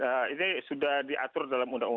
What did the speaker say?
nah ini sudah diatur dalam undang undang